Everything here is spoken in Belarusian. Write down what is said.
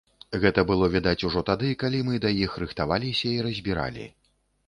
Гэта было відаць ужо тады, калі мы да іх рыхтаваліся і разбіралі.